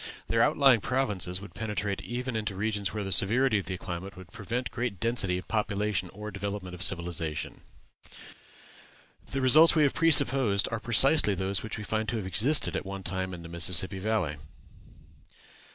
Their outlying provinces would penetrate even into regions where the severity of the climate would prevent great density of population or development of civilization. The results we have presupposed are precisely those which we find to have existed at one time in the Mississippi Valley.